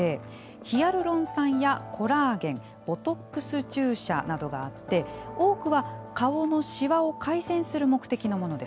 ヒアルロン酸やコラーゲンボトックス注射などがあって多くは顔のシワを改善する目的のものです。